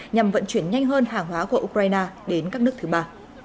nhằm vận chuyển nhanh hơn hàng hóa của ukraine đến các nước thứ ba